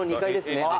いいですね。